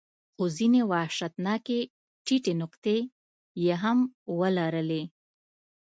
خو ځینې وحشتناکې ټیټې نقطې یې هم ولرلې.